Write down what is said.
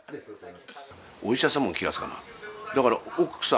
お医者さんも気付かなかった。